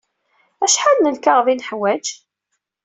Acḥal n lkaɣeḍ ay neḥwaj?